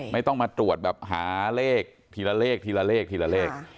ไม่ต้องมาตรวจแบบหาเลขทีละเลขทีละเลขทีละเลข